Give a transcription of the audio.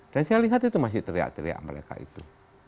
dan saya lihat itu masih teriak teriak mereka itu